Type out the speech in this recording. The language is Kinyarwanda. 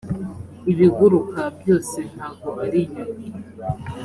ibiguruka byose ntago arinyoni.